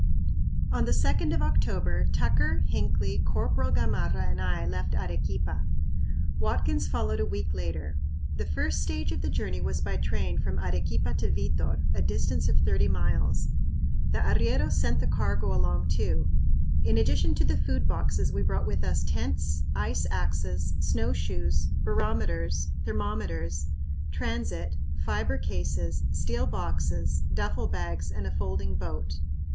On the 2d of October, Tucker, Hinckley, Corporal Gamarra and I left Arequipa; Watkins followed a week later. The first stage of the journey was by train from Arequipa to Vitor, a distance of thirty miles. The arrieros sent the cargo along too. In addition to the food boxes we brought with us tents, ice axes, snowshoes, barometers, thermometers, transit, fiber cases, steel boxes, duffle bags, and a folding boat.